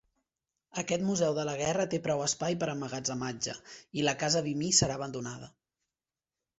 Aquest museu de la guerra té prou espai per a emmagatzematge, i la casa Vimy serà abandonada.